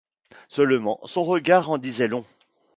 Seulement, son regard en disait long